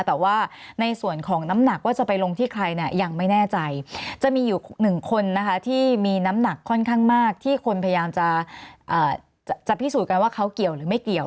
แต่ว่าในส่วนของน้ำหนักว่าจะไปลงที่ใครเนี่ยยังไม่แน่ใจจะมีอยู่หนึ่งคนนะคะที่มีน้ำหนักค่อนข้างมากที่คนพยายามจะพิสูจน์กันว่าเขาเกี่ยวหรือไม่เกี่ยว